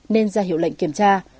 nên ra hiệu lệnh kiểm tra